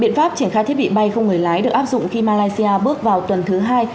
biện pháp triển khai thiết bị bay không người lái được áp dụng khi malaysia bước vào tuần thứ hai